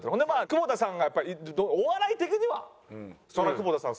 久保田さんがお笑い的にはそりゃ久保田さん